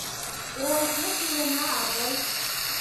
— Ой, пеш илена, авый!